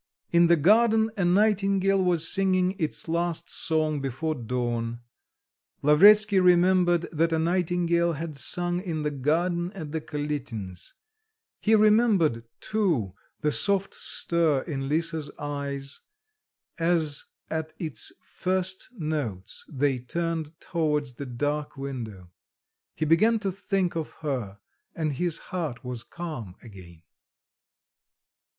In the garden a nightingale was singing its last song before dawn, Lavretsky remember that a nightingale had sung in the garden at the Kalitins'; he remembered, too, the soft stir in Lisa's eyes, as at its first notes, they turned towards the dark window. He began to think of her, and his heart was calm again.